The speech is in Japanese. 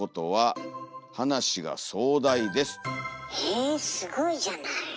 えすごいじゃない。